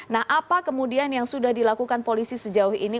nah apa kemudian yang sudah dilakukan polisi sejauh ini